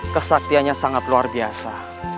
kesaktiannya sangat luar biasa